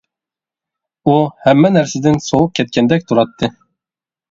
ئۇ ھەممە نەرسىدىن سوۋۇپ كەتكەندەك تۇراتتى .